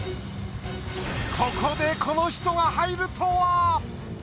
ここでこの人が入るとは！